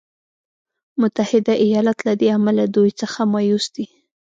متحده ایالات له دې امله له دوی څخه مایوس دی.